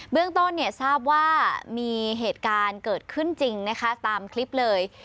เบื้องต้นทราบว่ามีเหตุการณ์เกิดขึ้นจริงตามคลิปเลย